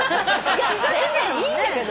全然いいんだけどね。